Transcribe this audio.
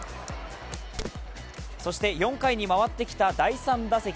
そして４回に回ってきた第３打席。